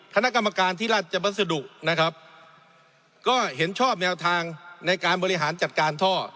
คณะกรรมการที่ราชบัสดุนะครับก็เห็นชอบแนวทางในการบริหารจัดการท่อ